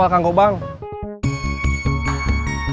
rahyam rahyam rahyam